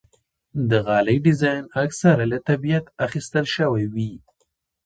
د غالۍ ډیزاین اکثره له طبیعت اخیستل شوی وي.